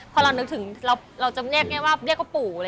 พอเรานึกถึงเราจะเรียกว่าปู่